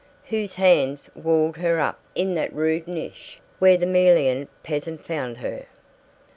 Whose hands walled her up in that rude niche where the Melian peasant found her?